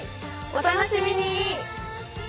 お楽しみに！